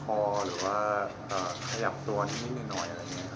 หรือว่าขยับตัวนิ่งน้อย